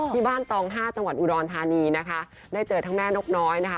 ตองห้าจังหวัดอุดรธานีนะคะได้เจอทั้งแม่นกน้อยนะคะ